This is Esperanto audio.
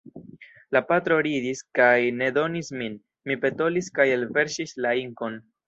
La patro ridis kaj ne donis min, mi petolis kaj elverŝis la inkon.